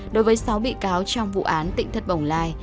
đối với sáu bị cáo trong vụ án tỉnh thất bồng lai